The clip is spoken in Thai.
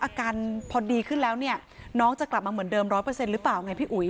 อาการพอดีขึ้นแล้วเนี่ยน้องจะกลับมาเหมือนเดิม๑๐๐หรือเปล่าไงพี่อุ๋ย